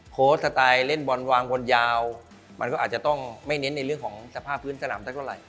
สไตล์เล่นบอลวางบอลยาวมันก็อาจจะต้องไม่เน้นในเรื่องของสภาพพื้นสนามสักเท่าไหร่